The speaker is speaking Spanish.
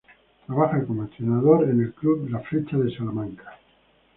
Trabaja como entrenador en El club La Flecha de Salamanca.